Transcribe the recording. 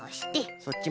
そっちも。